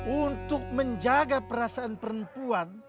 untuk menjaga perasaan perempuan